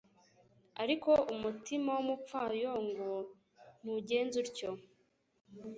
ariko umutima w’abapfayongo ntugenza utyo